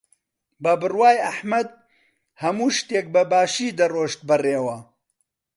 بە بڕوای ئەحمەد هەموو شتێک بەباشی دەڕۆشت بەڕێوە.